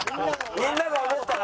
みんなが思ったら？